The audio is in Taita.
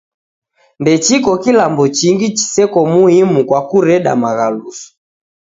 Ndechiko kilambo chingi chiseko m'himu kwa kureda maghaluso.